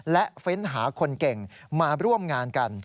และเฟ้นหาคนเก่งมาร่วมงานกัน